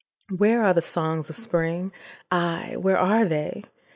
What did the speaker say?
Where are the songs of Spring? Ay, where are they?